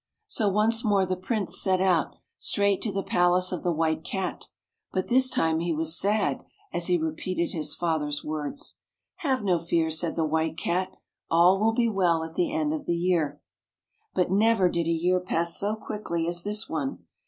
So once more the Prince set out — straight to the palace of the White Cat. But this time he was sad, as he repeated his father's words. " Have no fear," said the White Cat. " All will be well at the end of the year." But never did a year pass so quickly as this one.